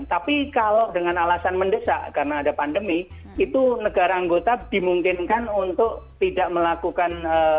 tapi kalau dengan alasan mendesak karena ada pandemi itu negara anggota dimungkinkan untuk tidak melakukan